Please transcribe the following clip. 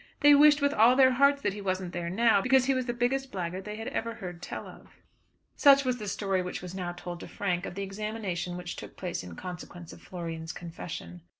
They wished with all their hearts that he wasn't there now, because he was the biggest blackguard they had ever heard tell of. Such was the story which was now told to Frank of the examination which took place in consequence of Florian's confession.